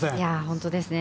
本当ですね。